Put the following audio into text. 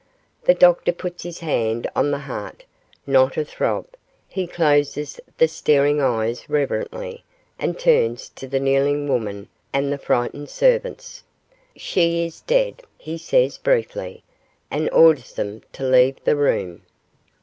The doctor puts his hand on the heart not a throb; he closes the staring eyes reverently, and turns to the kneeling woman and the frightened servants. 'She is dead,' he says, briefly, and orders them to leave the room.